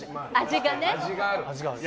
味がね。